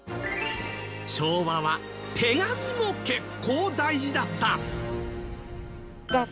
昭和は手紙も結構大事だった。